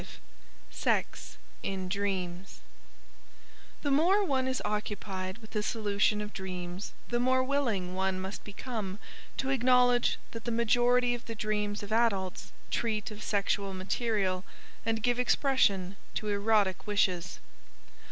V SEX IN DREAMS The more one is occupied with the solution of dreams, the more willing one must become to acknowledge that the majority of the dreams of adults treat of sexual material and give expression to erotic wishes.